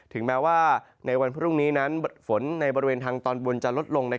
ถึงแม้ว่าในวันพรุ่งนี้นั้นฝนในบริเวณทางตอนบนจะลดลง